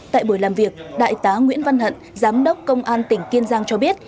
tại buổi làm việc đại tá nguyễn văn hận giám đốc công an tỉnh kiên giang cho biết